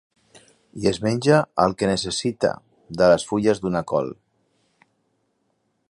I es menja el que necessita, de les fulles d’una col.